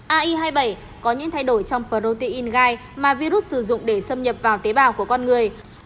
ai hai mươi bảy có những thay đổi trong protein gai mà virus sử dụng để xâm nhập vào tế bào của con người